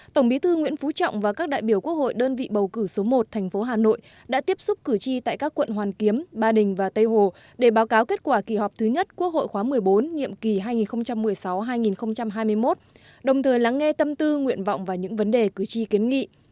tổng bí thư nguyễn phú trọng và các đại biểu quốc hội đơn vị bầu cử số một thành phố hà nội đã tiếp xúc cử tri tại các quận hoàn kiếm ba đình và tây hồ để báo cáo kết quả kỳ họp thứ nhất quốc hội khóa một mươi bốn nhiệm kỳ hai nghìn một mươi sáu hai nghìn hai mươi một đồng thời lắng nghe tâm tư nguyện vọng và những vấn đề cử tri kiến nghị